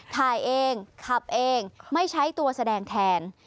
ถ่ายเองขับเองไม่ใช้ตัวแสดงแทน